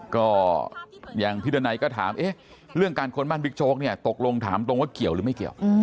ก็อย่างพี่ดันัยก็ถามเรื่องการค้นบ้านบิ๊กโจ๊กเนี่ยตกลงถามตรงว่าเกี่ยวหรือไม่เกี่ยว